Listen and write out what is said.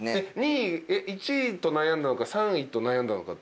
２位１位と悩んだのか３位と悩んだのか。